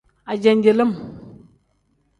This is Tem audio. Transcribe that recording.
Ajenjelim.